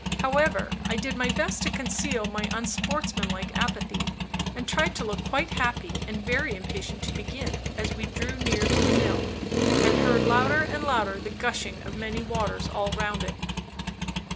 However, I did my best to conceal my unsportsman like apathy; and tried to look quite happy and very impatient to begin, as we drew near to the mill, and heard louder and louder the gushing of many waters all round it.